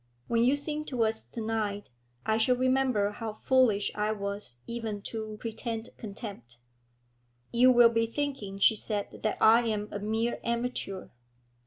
When you sing to us to night, I shall remember how foolish I was even to pretend contempt.' 'You will be thinking,' she said, 'that I am a mere amateur.'